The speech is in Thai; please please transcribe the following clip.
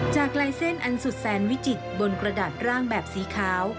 ลายเส้นอันสุดแสนวิจิตรบนกระดาษร่างแบบสีขาว